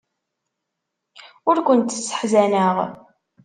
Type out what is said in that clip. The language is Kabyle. Ur kent-sseḥzaneɣ.